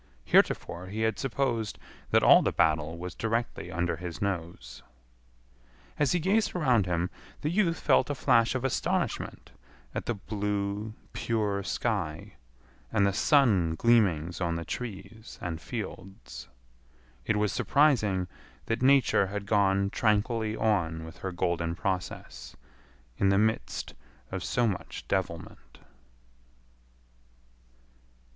Heretofore he had supposed that all the battle was directly under his nose. As he gazed around him the youth felt a flash of astonishment at the blue, pure sky and the sun gleamings on the trees and fields. It was surprising that Nature had gone tranquilly on with her golden process in the midst of so much devilment.